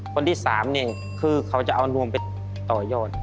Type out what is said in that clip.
คนที่๓นี่คือเขาจะเอานวมไปต่อยอด